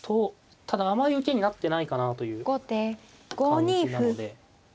ただあまり受けになってないかなという感じなので。